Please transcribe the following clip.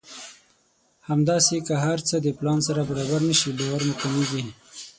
همداسې که هر څه د پلان سره برابر نه شي باور مو کمېږي.